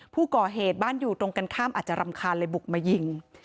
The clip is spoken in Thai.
ผู้ก่อเหตุบ้านอยู่ตรงกันข้ามอาจจะรำคาญเลยบุกมายิง